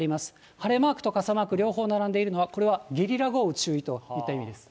晴れマークと傘マーク、両方並んでいるのは、これはゲリラ豪雨注意といった意味です。